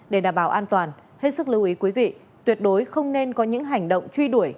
để đảm bảo an toàn hết sức lưu ý quý vị tuyệt đối không nên có những hành động truy đuổi